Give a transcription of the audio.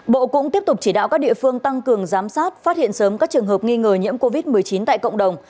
bộ cũng tiếp tục chỉ đạo các địa phương tăng cường giám sát phát hiện sớm các trường hợp nghi ngờ nhiễm covid một mươi chín tại cộng đồng